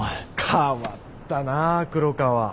変わったな黒川。